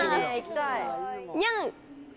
にゃん！